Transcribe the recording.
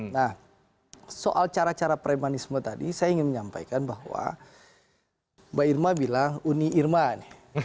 nah soal cara cara premanisme tadi saya ingin menyampaikan bahwa mbak irma bilang uni irman